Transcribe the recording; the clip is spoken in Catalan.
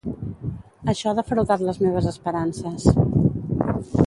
Això ha defraudat les meves esperances.